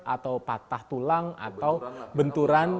atau patah tulang atau benturan